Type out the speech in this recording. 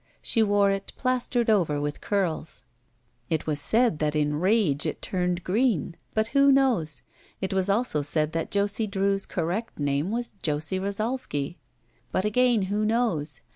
She wore it plastered over with curls. It was said 243 ROULETTE that in rage it turned green. But who knows? It was also said that Josie Drew's correct name was Josie Rosalsky. But again who knows?